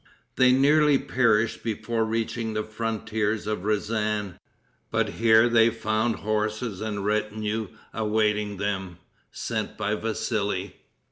They nearly perished before reaching the frontiers of Rezan, but here they found horses and retinue awaiting them, sent by Vassili.